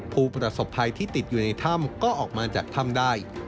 ผู้ประสบภัยที่ติดอยู่ในถ้ำก็ออกมาจากถ้ำได้